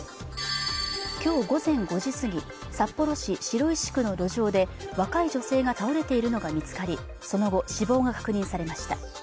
今日午前５時過ぎ札幌市白石区の路上で若い女性が倒れているのが見つかりその後死亡が確認されました